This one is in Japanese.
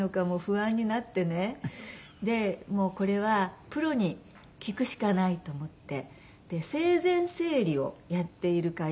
でもうこれはプロに聞くしかないと思って生前整理をやっている会社。